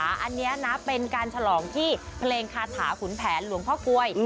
อันนี้นะเป็นการฉลองที่เพลงคาถาขุนแผนหลวงพ่อกลวย